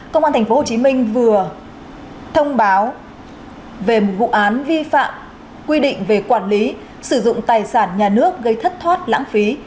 công an tp hcm vừa thông báo về một vụ án vi phạm quy định về quản lý sử dụng tài sản nhà nước gây thất thoát lãng phí